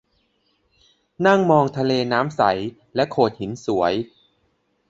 นั่งมองน้ำทะเลใสและโขดหินสวย